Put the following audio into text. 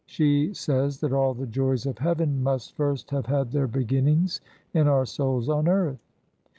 "She says that all the joys of heaven must first have had their beginnings in our souls on earth."